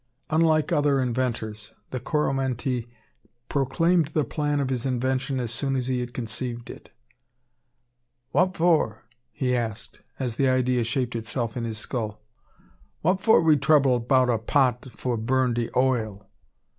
Unlike other inventors, the Coromantee proclaimed the plan of his invention as soon as he had conceived it. "Wha' for?" he asked, as the idea shaped itself in his skull, "wha' for we trouble 'bout a pot fo' burn de oil?"